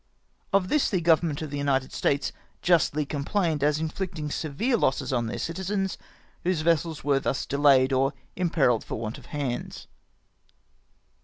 Of tliis the Government of the United States justly complained, as inflicting severe losses on their citizens, whose vessels were thus delayed or imperilled for want of hands.